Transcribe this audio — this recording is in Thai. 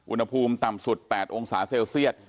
อุณหภูมิต่ำสุด๘องศาเซลเซียต